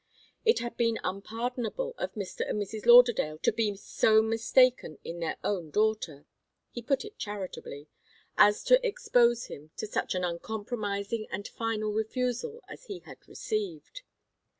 It had been unpardonable of Mr. and Mrs. Lauderdale to be so mistaken in their own daughter he put it charitably as to expose him to such an uncompromising and final refusal as he had received.